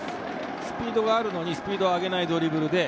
スピードがあるのに、スピードを上げないドリブル。